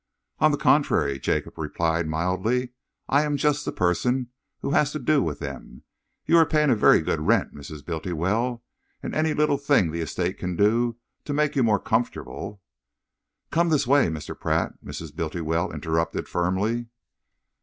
"On the contrary," Jacob replied mildly, "I am just the person who has to do with them. You are paying a very good rent, Mrs. Bultiwell, and any little thing the Estate can do to make you more comfortable " "Come this way, Mr. Pratt," Mrs. Bultiwell interrupted firmly....